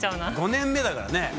５年目だからね。